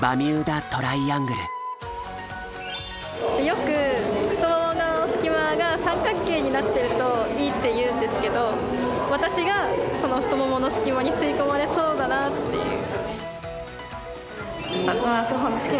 よく太ももの隙間が三角形になってるといいっていうんですけど私がその太ももの隙間に吸い込まれそうだなっていう。